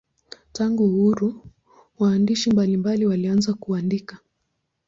Tangu uhuru waandishi mbalimbali walianza kuandika.